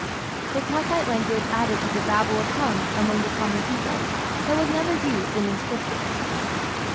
The Kassite language added to the "Babel of tongues" among the common people, but was never used in inscriptions.